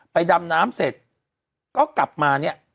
ดำน้ำเสร็จก็กลับมาเนี่ย